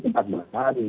itu empat belas hari